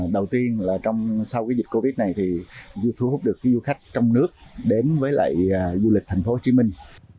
đầu tiên là sau dịch covid một mươi chín này thì thu hút được du khách trong nước đến với lại du lịch thành phố hồ chí minh